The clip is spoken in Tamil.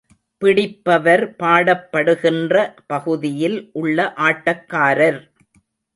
பிடிப்பவர் பாடப்படுகின்ற பகுதியில் உள்ள ஆட்டக்காரர்.